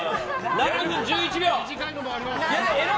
７分１１秒。